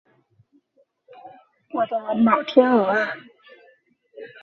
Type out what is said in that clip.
我的老天鹅啊